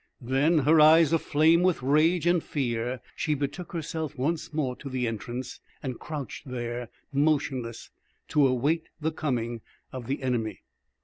Then, her eyes aflame with rage and fear, she betook herself once more to the entrance, and crouched there motionless to await the coming of the enemy.